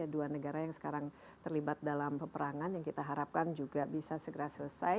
dua negara yang sekarang terlibat dalam peperangan yang kita harapkan juga bisa segera selesai